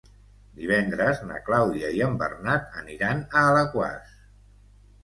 Divendres na Clàudia i en Bernat aniran a Alaquàs.